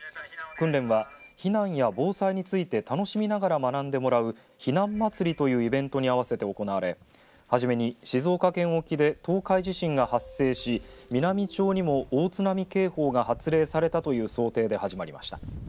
訓練は避難や防災について楽しみながら学んでもらう避難まつりというイベントに合わせて行われはじめに静岡県沖で東海地震が発生し美波町にも大津波警報が発令されたという想定で始まりました。